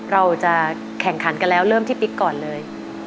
เราจะแข่งขันกันแล้วเริ่มที่ปิ๊กก่อนเลย